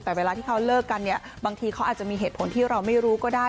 แต่เวลาที่เขาเลิกกันเนี่ยบางทีเขาอาจจะมีเหตุผลที่เราไม่รู้ก็ได้